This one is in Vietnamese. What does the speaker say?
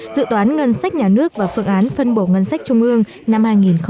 dự toán ngân sách nhà nước và phương án phân bổ ngân sách trung ương năm hai nghìn hai mươi